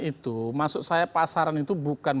itu maksud saya pasaran itu bukan